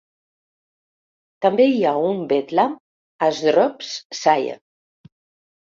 També hi ha un Bedlam a Shropshire.